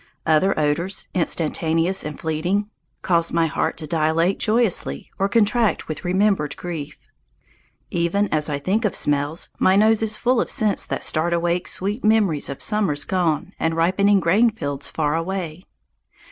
Other odours, instantaneous and fleeting, cause my heart to dilate joyously or contract with remembered grief. Even as I think of smells, my nose is full of scents that start awake sweet memories of summers gone and ripening grain fields far away.